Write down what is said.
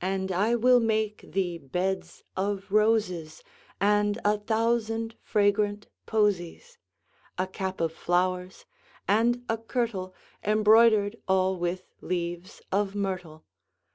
And I will make thee beds of roses And a thousand fragrant posies; 10 A cap of flowers, and a kirtle Embroider'd all with leaves of myrtle.